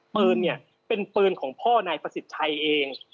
ปืนเนี่ยเป็นปืนของพ่อนายประสิทธิ์ชัยเอง